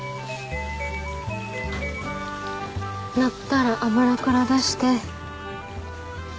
鳴ったら油から出して。